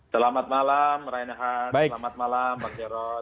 selamat malam rai nahar selamat malam pak jarod